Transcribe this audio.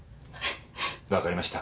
わかりました